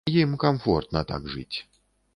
Ім камфортна так жыць.